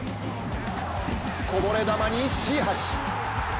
こぼれ球に椎橋。